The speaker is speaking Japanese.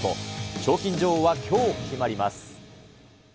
賞金女王はきょう決まります。